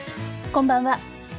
こんばんは。